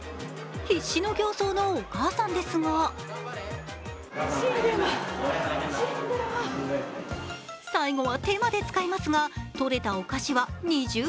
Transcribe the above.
必死の形相のお母さんですが最後は手まで使いますがとれたお菓子は２０ｇ。